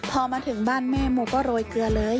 พอมาถึงบ้านแม่โมก็โรยเกลือเลย